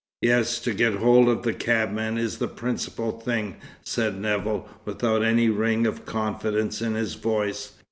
"Yes, to get hold of the cabman is the principal thing," said Nevill, without any ring of confidence in his voice.